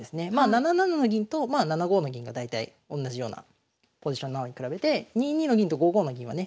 ７七の銀と７五の銀が大体おんなじようなポジションなのに比べて２二の銀と５五の銀はね